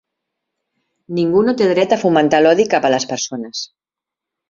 Ningú no té dret a fomentar l'odi cap a les persones.